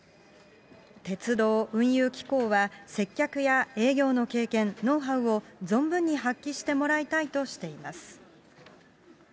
鉄道・運輸機構は、接客や営業の経験、ノウハウを存分に発揮してもらいたいとしています。